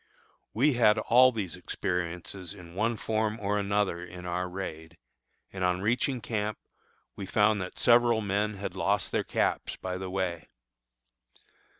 We had all these experiences in one form or another in our raid, and on reaching camp we found that several men had lost their caps by the way.